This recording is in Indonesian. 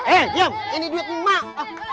eh diam ini duit emang